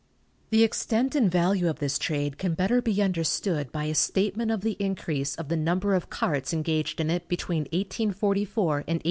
The extent and value of this trade can better be understood by a statement of the increase of the number of carts engaged in it between 1844 and 1858.